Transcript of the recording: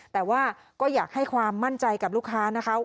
แต่ว่าก็อยากให้ความมั่นใจกับลูกค้านะคะ